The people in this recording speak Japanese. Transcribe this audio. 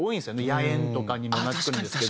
野猿とかにもなってくるんですけど。